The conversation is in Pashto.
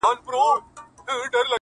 که دي زوی وي که دي ورور که دي بابا دی!.